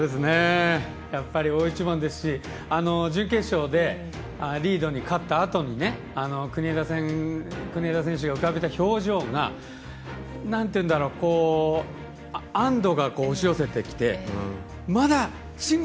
やっぱり大一番ですし準決勝で、リードに勝ったあとに国枝選手が浮かべた表情が安どが押し寄せてきてまだ、慎吾